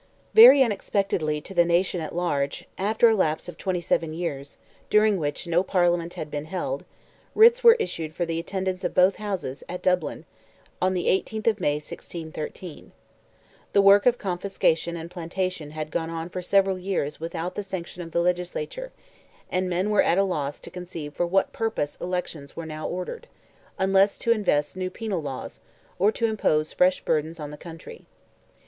Very unexpectedly to the nation at large, after a lapse of 27 years, during which no Parliament had been held, writs were issued for the attendance of both Houses, at Dublin, on the 18th of May, 1613. The work of confiscation and plantation had gone on for several years without the sanction of the legislature, and men were at a loss to conceive for what purpose elections were now ordered, unless to invent new penal laws, or to impose fresh burdens on the country.